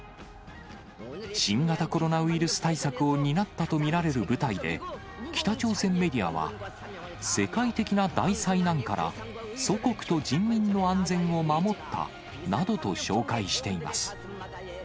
新型コロナウイルス対策を担ったと見られる舞台で、北朝鮮メディアは、世界的な大災難から、祖国と人民の安全を守ったなどと紹介しています。